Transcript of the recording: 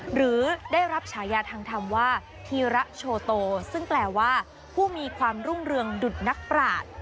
หรือได้รับฉายาทางธรรมว่าธีระโชโตซึ่งแปลว่าผู้มีความรุ่งเรืองดุดนักปราศ